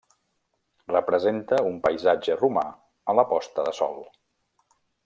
Representa un paisatge romà a la posta de sol.